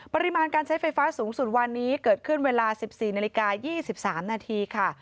ปริมาณการใช้ไฟฟ้าสูงสุดวันนี้เกิดขึ้นเวลา๑๔นาฬิกา๒๓นาทีค่ะ